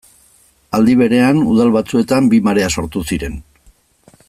Aldi berean, udal batzuetan bi marea sortu ziren.